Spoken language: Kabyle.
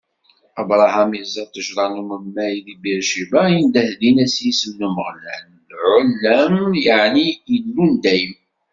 Abṛaham iẓẓa ṭṭejṛa n umemmay di Bir Cibaɛ, indeh dinna s yisem n Umeɣlal, Il Ɛulam, yeɛni Illu n dayem.